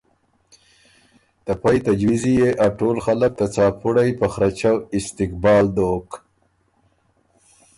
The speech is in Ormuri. ته پئ تجویزي يې ا ټول خلق ته څاپُړئ په خرچؤ استقبال دوک